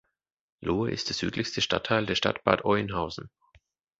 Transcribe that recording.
Lohe ist der südlichste Stadtteil der Stadt Bad Oeynhausen.